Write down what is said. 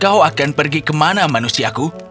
kau akan pergi ke mana manusiaku